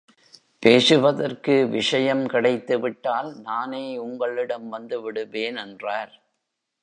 பேசுவதற்கு விஷயம் கிடைத்து விட்டால், நானே உங்களிடம் வந்து விடுவேன் என்றார்.